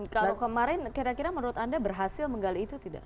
kalau kemarin kira kira menurut anda berhasil menggali itu tidak